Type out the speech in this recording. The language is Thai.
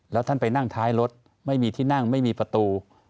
แล้วท่านไปนั่งท้ายรถไม่มีที่นั่งไม่มีประตู